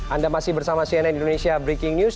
anda masih bersama cnn indonesia breaking news